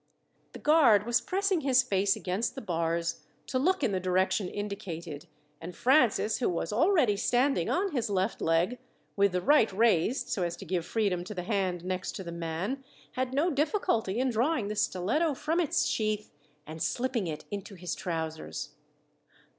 The guard was pressing his face against the bars, to look in the direction indicated, and Francis, who was already standing on his left leg, with the right raised so as to give freedom to the hand next to the man, had no difficulty in drawing the stiletto from its sheath, and slipping it into his trousers.